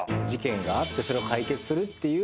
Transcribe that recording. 事件があってそれを解決する